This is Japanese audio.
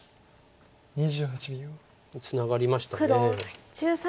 ツナがりました。